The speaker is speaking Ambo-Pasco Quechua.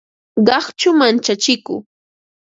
Qaqchu manchachiku